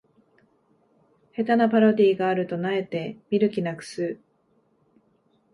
下手なパロディがあると萎えて見る気なくす